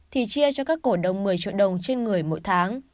thì chia cho các cổ đông một mươi triệu đồng trên người mỗi tháng